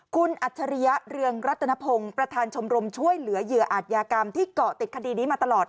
คุณอัจฉริยะเรืองรัตนพงศ์ประธานชมรมช่วยเหลือเหยื่ออาจยากรรมที่เกาะติดคดีนี้มาตลอด